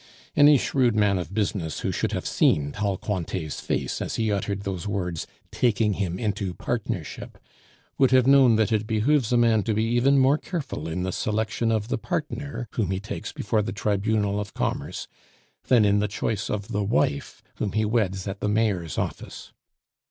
Any shrewd man of business who should have seen tall Cointet's face as he uttered those words, "taking him into partnership," would have known that it behooves a man to be even more careful in the selection of the partner whom he takes before the Tribunal of Commerce than in the choice of the wife whom he weds at the Mayor's office.